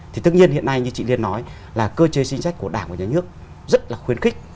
thì tất nhiên hiện nay như chị liên nói là cơ chế chính sách của đảng và nhà nước rất là khuyến khích